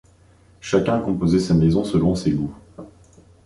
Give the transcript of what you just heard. Chacun composait sa maison selon ses goûts.